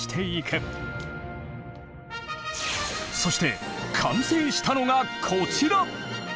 そして完成したのがこちら。